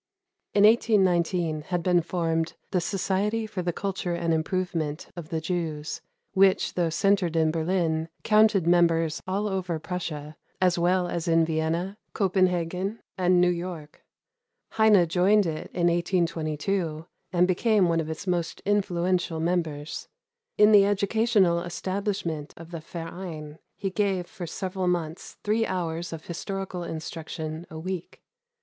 In 1819 had been formed the "Society for the Culture and Improvement of the Jews," which, though centered in Berlin, counted members all over Prussia, as well as in Vienna, Copenhagen, and New York. Heine joined it in 1822, and became one of its most influential members. In the educational establishment of the Verein, he gave for several months three hours of historical instruction a week.